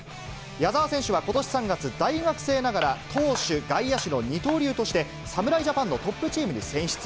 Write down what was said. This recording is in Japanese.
矢澤選手はことし３月、大学生ながら投手、外野手の二刀流として、侍ジャパンのトップチームに選出。